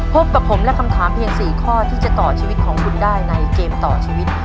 พบกับผมและคำถามเพียง๔ข้อที่จะต่อชีวิตของคุณได้ในเกมต่อชีวิต